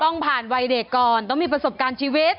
ต้องผ่านวัยเด็กก่อนต้องมีประสบการณ์ชีวิต